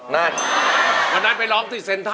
วันนั้นไปร้องที่เซ็นตัน